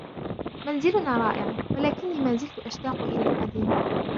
منزلنا رائع, ولكني ما زلت أشتاق إلى القديم.